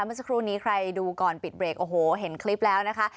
เมื่อสักครู่นี้ใครดูก่อนปิดเบรกโอ้โหเห็นคลิปแล้วนะคะ